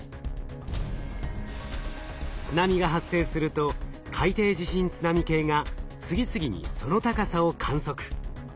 津波が発生すると海底地震津波計が次々にその高さを観測。